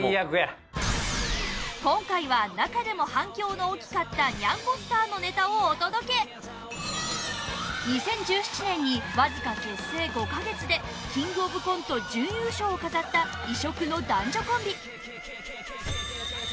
今回は中でも反響の大きかったにゃんこスターのネタをお届け２０１７年にわずか結成５カ月でキングオブコント準優勝を飾った異色の男女コンビ